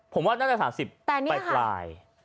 ผมว่าน่าจะ๓๐ปลาย